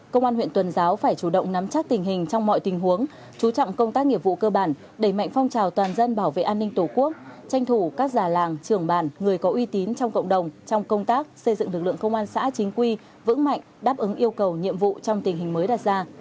công an huyện tuần giáo phải chủ động nắm chắc tình hình trong mọi tình huống chú trọng công tác nghiệp vụ cơ bản đẩy mạnh phong trào toàn dân bảo vệ an ninh tổ quốc tranh thủ các già làng trưởng bản người có uy tín trong cộng đồng trong công tác xây dựng lực lượng công an xã chính quy vững mạnh đáp ứng yêu cầu nhiệm vụ trong tình hình mới đặt ra